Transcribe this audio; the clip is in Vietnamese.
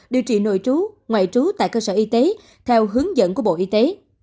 điều trị nội trú ngoại trú tại cơ sở y tế theo hướng dẫn của bộ y tế